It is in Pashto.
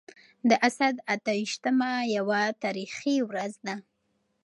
د اسد اته ويشتمه يوه تاريخي ورځ ده.